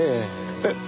えっ！